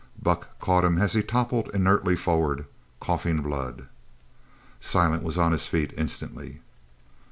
Buck caught him as he toppled inertly forward, coughing blood. Silent was on his feet instantly.